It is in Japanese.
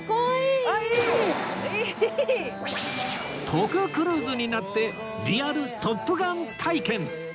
徳クルーズになってリアル『トップガン』体験！